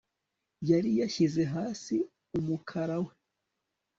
Yari yashyize hasi umukara we